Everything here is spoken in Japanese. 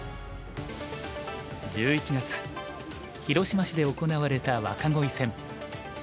１１月広島市で行われた若鯉戦。